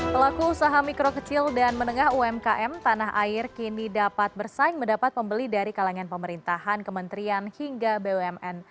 pelaku usaha mikro kecil dan menengah umkm tanah air kini dapat bersaing mendapat pembeli dari kalangan pemerintahan kementerian hingga bumn